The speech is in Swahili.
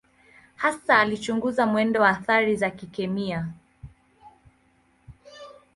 Hasa alichunguza mwendo wa athari za kikemia.